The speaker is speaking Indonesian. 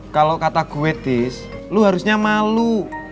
kalau kata gue tis lu harusnya malu